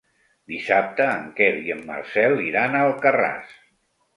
Dissabte en Quer i en Marcel iran a Alcarràs.